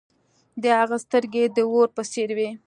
د هغه سترګې د اور په څیر وې.